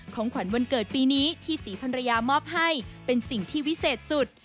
ของขวัญวันเกิดปีนี้ที่ศรีพันรยามอบให้เป็นสิ่งที่วิเศษสุด